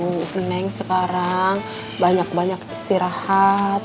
nenek sekarang banyak banyak istirahat